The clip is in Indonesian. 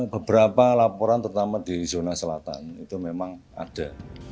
beberapa laporan terutama di zona selatan itu memang ada